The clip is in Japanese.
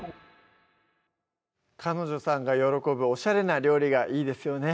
彼女さんが喜ぶおしゃれな料理がいいですよね